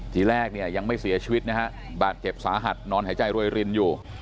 ทีแรกเนี่ยยังไม่เสียชีวิตนะฮะบาดเจ็บสาหัสนอนหายใจรวยรินอยู่